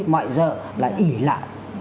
ngoại dợ là ỉ lạ